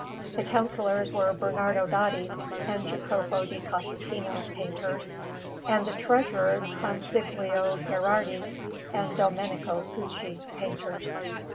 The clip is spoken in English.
The counsellors were Bernardo Daddi and Jacopo di Casentino, painters; and the treasurers, Consiglio Gherardi and Domenico Pucci, painters."